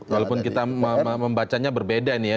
walaupun kita membacanya berbeda ini ya